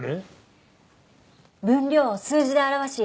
「分量を数字で表し